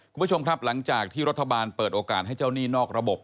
คุณผู้ชมครับหลังจากที่รัฐบาลเปิดโอกาสให้เจ้าหนี้นอกระบบ